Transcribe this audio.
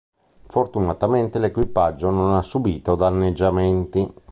Fortunatamente l'equipaggio non ha subito danneggiamenti.